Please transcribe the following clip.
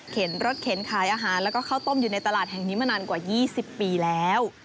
รถเข็นขายอาหารแล้วก็ข้าวต้มอยู่ในตลาดแห่งนี้มานานกว่า๒๐ปีแล้ว